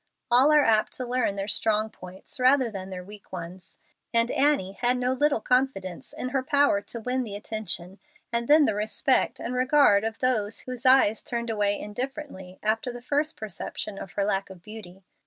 All are apt to learn their strong points rather than their weak ones, and Annie had no little confidence in her power to win the attention and then the respect and regard of those whose eyes turned away indifferently after the first perception of her lack of beauty.